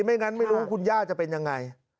ไม่งั้นไม่รู้ว่าคุณย่าจะเป็นยังไง